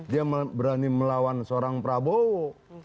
dia berani melawan seorang prabowo